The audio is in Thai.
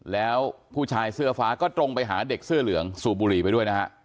แล้วผู้ชายเสื้อฟ้าก็ตรงไปหาเด็กเสื้อเหลืองสูบบุหรี่ไปด้วยนะฮะ